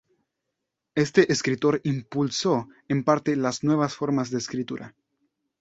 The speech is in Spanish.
Este escritor impulsó en parte las nuevas formas de escritura.